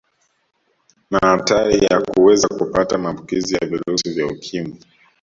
Na hatari ya kuweza kupata maambukizo ya virusi vya Ukimwi